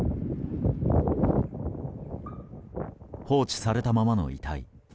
放置されたままの遺体。